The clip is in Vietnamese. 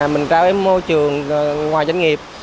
mình trao đến môi trường ngoài doanh nghiệp